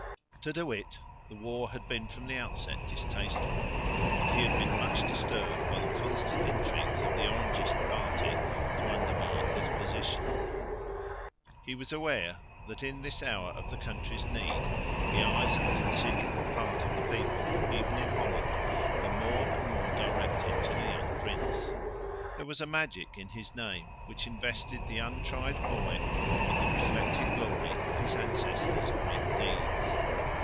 To De Witt the war had been from the outset distasteful; and he had been much disturbed by the constant intrigues of the Orangist party to undermine his position. He was aware that in this hour of the country's need the eyes of a considerable part of the people, even in Holland, were more and more directed to the young prince. There was a magic in his name, which invested the untried boy with the reflected glory of his ancestor's great deeds.